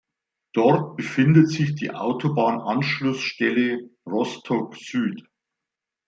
Dort befindet sich die Autobahnanschlussstelle "Rostock Süd".